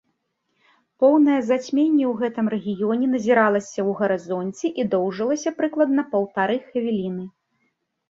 Поўнае зацьменне ў гэтым рэгіёне назіралася ў гарызонце і доўжылася прыкладна паўтары хвіліны.